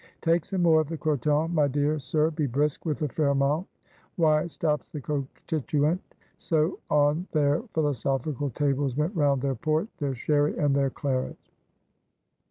Take some more of the Croton, my dear sir! Be brisk with the Fairmount! Why stops that Cochituate? So on their philosophical tables went round their Port, their Sherry, and their Claret.